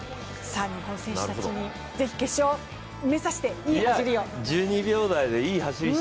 日本選手たち、ぜひ決勝目指していい走りを。